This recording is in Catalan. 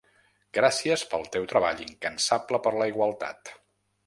Gràcies pel teu treball incansable per la igualtat.